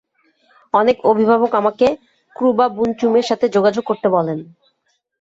অনেক অভিভাবক আমাকে ক্রুবা বুনচুমের সাথে যোগাযোগ করতে বলেন।